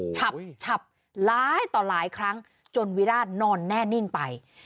ฉับหลายต่อหลายครั้งจนวิราชนอนแน่นิ่งไป